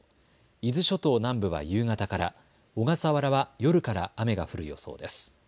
伊豆諸島南部は夕方から、小笠原は夜から雨が降る予想です。